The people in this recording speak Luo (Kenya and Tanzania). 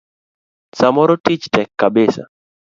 Samoro tich tek kabisa.